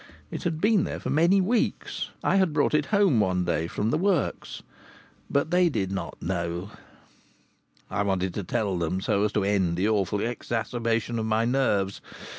It had been there for many weeks; I had brought it home one day from the works. But they did not know. I wanted to tell them, so as to end the awful exacerbation of my nerves.